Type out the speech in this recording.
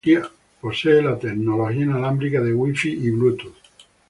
Posee las tecnologías inalámbricas de Wi-Fi y Bluetooth.